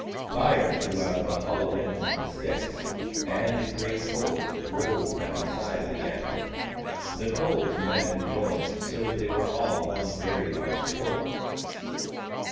Fire flew out of the hollow ends of the sticks, and, in great coals, rolled down the side of the ant hill. The coals met and joined, so that they were all one very large coal.